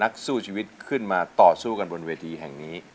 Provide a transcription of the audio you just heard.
นักสู้ชีวิตขึ้นมาต่อสู้กันบนเวทีแห่งนี้